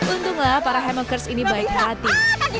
untunglah para hemakers ini baik hati